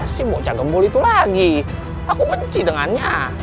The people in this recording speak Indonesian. si bocah gembul itu lagi aku benci dengannya